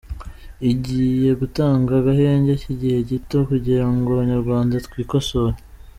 Igiye gutanga agahenge k’igihe gito, kugira ngo abanyarwanda twikosore.